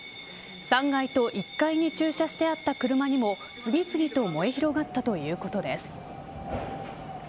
３階と１階に駐車してあった車にも次々と燃え広がったということです。